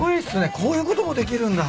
こういうこともできるんだ。